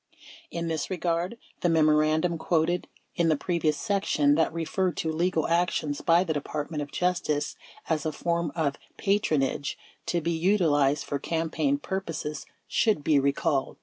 In this regard, the memoran dum quoted in the previous section that referred to legal actions by the Department of Justice as a form of "patronage" to be utilized for campaign purposes should be recalled.